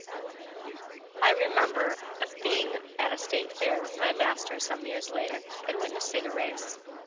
I remember of being at a State fair with my master some years later, and witnessing a race.